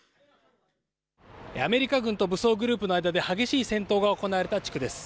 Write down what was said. アメリカ軍と武装グループの間で、激しい戦闘が行われた地区です。